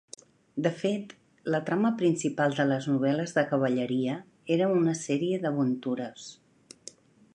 De fet, la trama principal de les novel·les de cavalleria era una sèrie d'aventures.